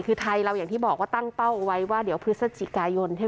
คือไทยเราอย่างที่บอกว่าตั้งเป้าเอาไว้ว่าเดี๋ยวพฤศจิกายน